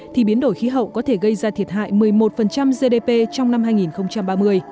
thì biến đổi khí hậu có thể gây ra thiệt hại một mươi một gdp trong năm hai nghìn ba mươi